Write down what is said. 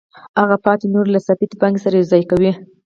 هغه پاتې نوره له ثابتې پانګې سره یوځای کوي